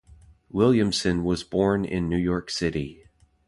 Williamson was born in New York City.